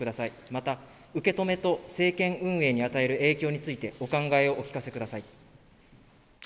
また、受けとめと政権運営に与える影響についてお考えをお聞かせください。